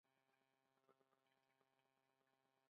عثمان جان پاچا څادر څنډ واهه.